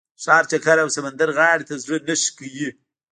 ښار چکر او سمندرغاړې ته زړه نه ښه کوي.